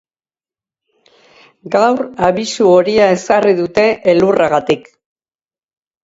Gaur abisu horia ezarri dute, elurragatik.